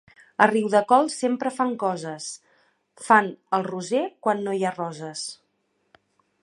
A Riudecols sempre fan coses: fan el Roser quan no hi ha roses.